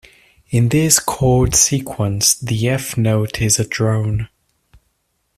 In this chord sequence, the F note is a drone.